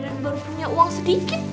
dan baru punya uang sedikit